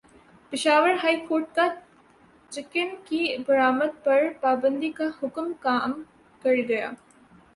Peshawar high court کا chicken کی برآمد پر پابندی کا حکم کام کر گیا